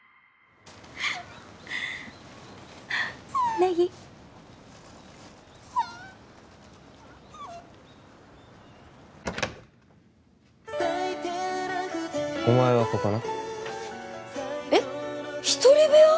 ネギお前はここなえっ一人部屋？